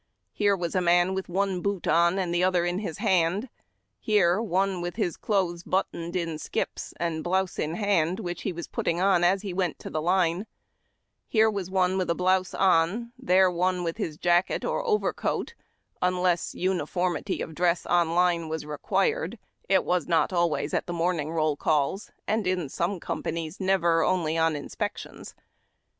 Here was a man with one boot on, and the other in his hand ; here, one with his clothes but A DAY IN CAMP. Km toned ill skips and blouse in hand, which he was putting on as he went to the line : here was one with a blouse on ; there, one with his jacket or overcoat (unless uniformity of dress on line was required — it was not always at the morn ing roll calls, and in some com})anies never, only on inspec tions).